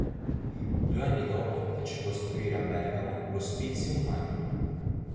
Due anni dopo fece costruire a Bergamo l"'Hospitium Magnum".